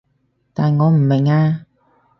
但我唔明啊